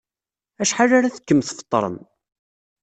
Acḥal ara tekkem tfeṭṭrem?